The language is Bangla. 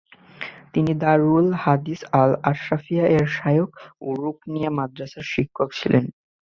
তিনি দারুল হাদীস আল আশরাফিয়া-এর শায়খ এবং রুকনিয়াহ মাদ্রাসার শিক্ষক ছিলেন।